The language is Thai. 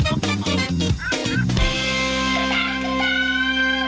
ติดตามติดตาม